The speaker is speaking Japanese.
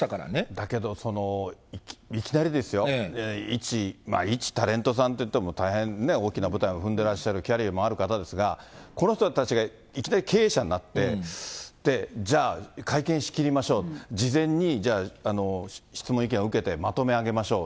だけどいきなりですよ、一、一タレントさんといっても、大変ね、大きな舞台も踏んでらっしゃるキャリアもある方ですが、この人たちがいきなり経営者になって、じゃあ、会見仕切りましょう、事前に、じゃあ質問、意見を受けてまとめ上げましょう。